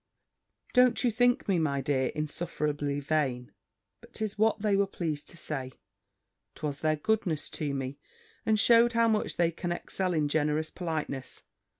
Don't you think me, my dear, insufferably vain? But 'tis what they were pleased to say. 'Twas their goodness to me, and shewed how much they can excel in generous politeness.